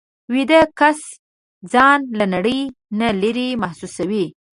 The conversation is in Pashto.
ویده کس ځان له نړۍ نه لېرې محسوسوي